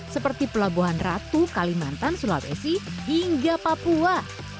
seperti pelabuhan ratu kalimantan sulawesi hingga papua